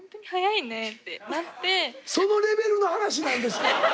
そのレベルの話なんですか？